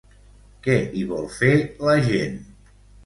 Què hi vol fer la gent?